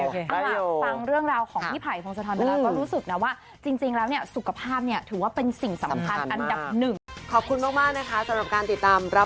ฟังเรื่องราวของพี่ไผ่ฟองศาธารณรัฐก็รู้สึกนะว่า